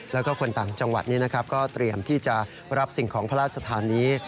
แล้วก็คนต่างจังหวัดนี้นะครับก็เตรียมที่จะรับสิ่งของพระราชทานนี้